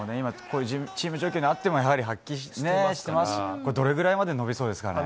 チーム状況にあってもやはり発揮してますし、これ、どれぐらいまで伸びそうですかね。